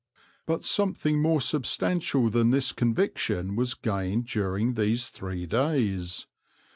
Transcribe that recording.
But something more substantial than this conviction was gained during these three days.